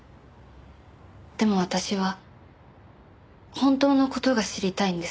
でも私は本当の事が知りたいんです。